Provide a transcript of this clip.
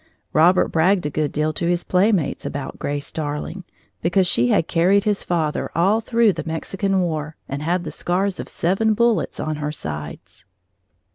Robert bragged a good deal to his playmates about Grace Darling, because she had carried his father all through the Mexican War and had the scars of seven bullets on her sides.